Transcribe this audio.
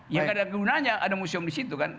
ya nggak ada gunanya ada museum di situ kan